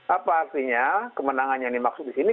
apa artinya kemenangannya ini maksud disini